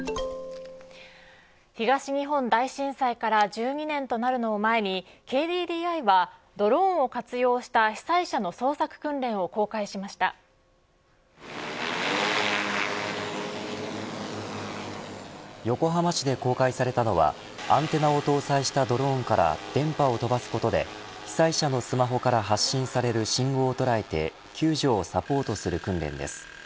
東日本大震災から１２年となるのを前にＫＤＤＩは、ドローンを活用した被災者の捜索訓練を横浜市で公開されたのはアンテナを搭載したドローンから電波を飛ばすことで被災者のスマホから発信される信号を捉えて救助をサポートする訓練です。